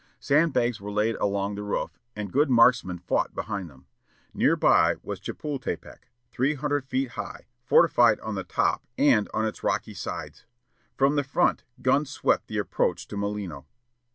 Sandbags were laid along the roof, and good marksmen fought behind them. Near by was Chepultepec, three hundred feet high, fortified on the top and on its rocky sides. From the front, guns swept the approach to Molino.